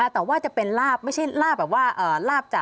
แต่ว่าจะเป็นลาบไม่ใช่ลาบแบบว่าลาบจะ